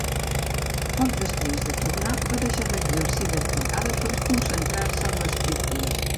Poc després de tornar, va deixar d'exercir d'advocada per concentrar-se en l'escriptura.